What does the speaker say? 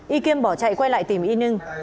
y kim bỏ chạy quay lại tìm y nương